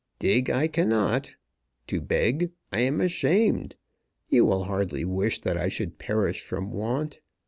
Dig I cannot. To beg I am ashamed. You will hardly wish that I should perish from want.